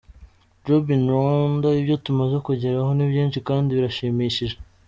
Job in Rwanda : Ibyo tumaze kugeraho ni byinshi kandi birashimishije.